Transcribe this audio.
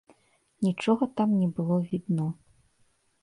Нічога там не было відно.